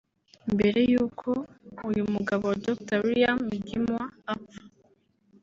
Mbere y’uko uyu mugabo Dr William Mgimwa apfa